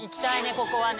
ここはね。